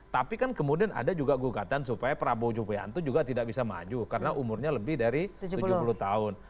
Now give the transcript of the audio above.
tapi kan kemudian ada juga gugatan supaya prabowo jupianto juga tidak bisa maju karena umurnya lebih dari tujuh puluh tahun